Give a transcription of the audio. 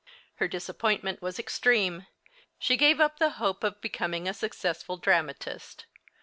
Her disappointment was extreme. She gave up the hope of becoming a successful dramatist.